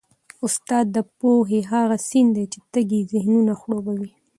استاد د پوهې هغه سیند دی چي تږي ذهنونه خړوبوي.